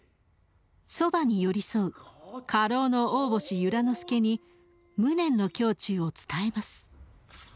そばに寄り添う家老の大星由良之助に無念の胸中を伝えます。